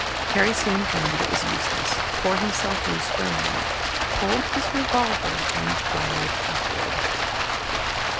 Terry soon found that it was useless, tore himself loose for a moment, pulled his revolver, and fired upward.